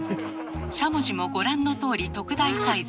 しゃもじもご覧のとおり特大サイズ。